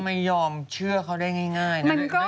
ไม่ยอมเชื่อเขาได้ง่ายนะ